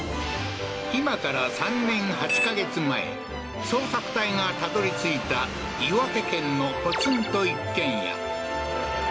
今から３年８か月前捜索隊がたどり着いた岩手県のポツンと一軒家